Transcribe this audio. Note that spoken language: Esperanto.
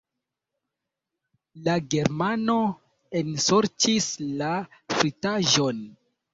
La Germano ensorĉis la fritaĵon.